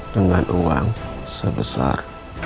dengan uang sebesar